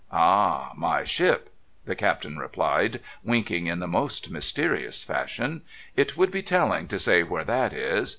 "Ah, my ship!" the Captain replied, winking in the most mysterious fashion; "it would be telling to say where that is.